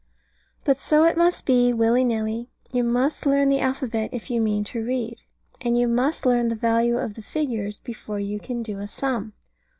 But so it must be, willy nilly. You must learn the alphabet if you mean to read. And you must learn the value of the figures before you can do a sum.